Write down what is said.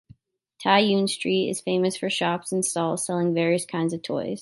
Tai Yuen Street is famous for shops and stalls selling various kinds of toys.